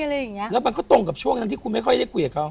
แล้วมันก็ตรงกับช่วงที่คุณไม่ค่อยได้คุยกับเขา